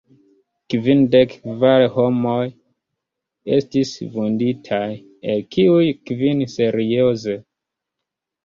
Kvindek kvar homoj estis vunditaj, el kiuj kvin serioze.